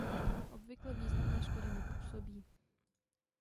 Obvykle významné škody nepůsobí.